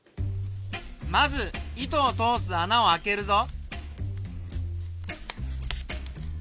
まず糸を通すあなをあけるぞ。